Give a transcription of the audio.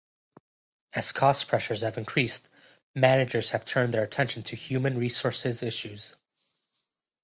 As cost pressures have increased, managers have turned their attention to human resources issues.